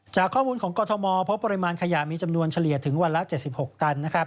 จากข้อมูลของกรทมพบปริมาณขยะมีจำนวนเฉลี่ยถึงวันละ๗๖ตันนะครับ